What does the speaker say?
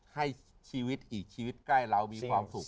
ให้ชีวิตอีกชีวิตใกล้เรามีความสุข